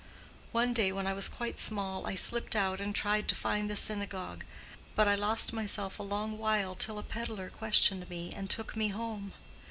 One day when I was quite small I slipped out and tried to find the synagogue, but I lost myself a long while till a peddler questioned me and took me home.